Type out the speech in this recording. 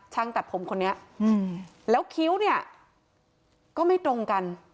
ตัดผมคนนี้แล้วคิ้วเนี่ยก็ไม่ตรงกัน